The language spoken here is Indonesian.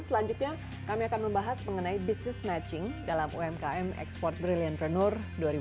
selanjutnya kami akan membahas mengenai business matching dalam umkm export brilliant renour dua ribu dua puluh dua